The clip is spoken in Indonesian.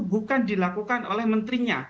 bukan dilakukan oleh menterinya